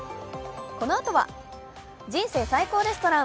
このあとは「人生最高レストラン」。